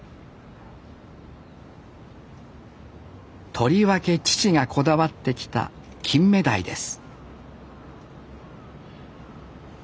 とりわけ父がこだわってきたキンメダイです